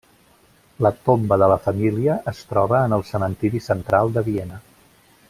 La tomba de la família es troba en el cementiri central de Viena.